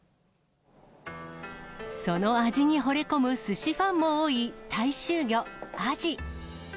その味にほれ込むすしファンも多い大衆魚、アジ。